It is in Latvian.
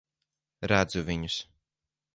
Redzu viņus.